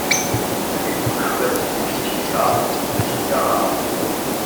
La ville de Mushubati se situe à de Gitarama.